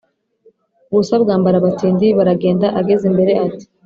ubusa bwambara abatindi. baragenda ageze imbere ati